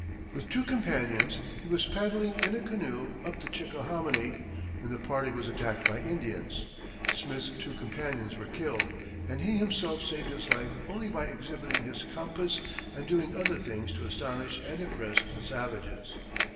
With two companions, he was paddling in a canoe up the Chickahominy, when the party was attacked by Indians. Smith's two companions were killed, and he himself saved his life only by exhibiting his compass and doing other things to astonish and impress the savages.